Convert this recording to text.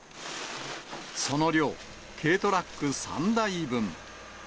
その量、軽トラック３台分。